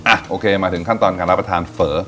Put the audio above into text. โอเคมาถึงขั้นตอนการรับประทานเฝอ